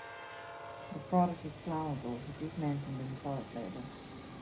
The product is flammable, which is mentioned in the product label.